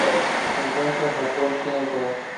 Se encuentra en Japón, China y Corea.